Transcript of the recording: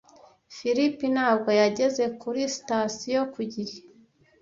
Philip ntabwo yageze kuri sitasiyo ku gihe.